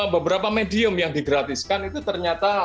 beberapa medium yang digratiskan itu ternyata